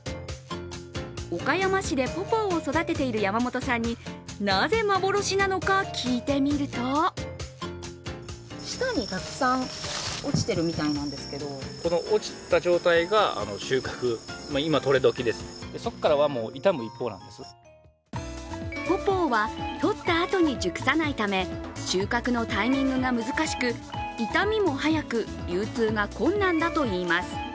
岡山市でポポーを育てている山本さんになぜ幻なのか聞いてみるとポポーは採ったあとに熟さないため収穫のタイミングが難しく、傷みも早く流通が困難だといいます。